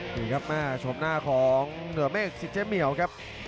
ดูครับมาชมหน้าของเหนือเมฆศิษย์เจ้าเหมียวครับ